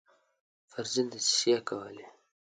پر ضد دسیسې کولې.